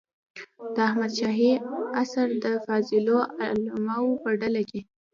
د احمد شاهي عصر د فاضلو علماوو په ډله کې.